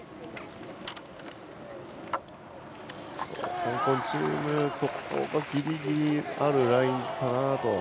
香港チーム、ここのギリギリあるラインかなと。